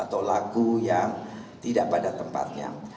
atau lagu yang tidak pada tempatnya